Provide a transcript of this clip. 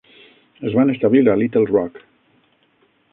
Es van establir a Little Rock.